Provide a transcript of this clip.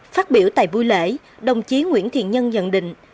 phát biểu tại buổi lễ đồng chí nguyễn thiện nhân nhận định